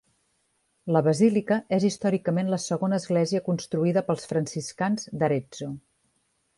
La basílica és històricament la segona església construïda pels franciscans d'Arezzo.